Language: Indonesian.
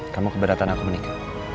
kamu keberatan aku menikah